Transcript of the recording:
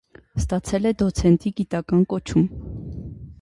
Ստացել է դոցենտի գիտական կոչում։